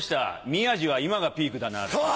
宮治は今がピークだなって。